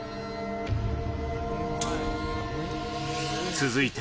続いて。